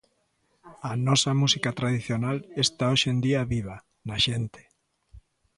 A nosa música tradicional está hoxe en día viva, na xente.